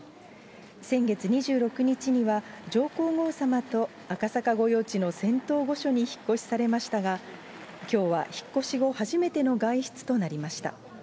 先月２６日には、上皇后さまと赤坂御用地の仙洞御所に引っ越しされましたが、きょうは引っ越し後初めての外出となりました。